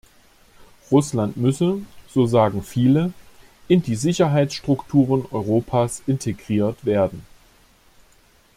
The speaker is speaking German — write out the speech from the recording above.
Russland müsse, so sagen viele, in die Sicherheitsstrukturen Europas integriert werden.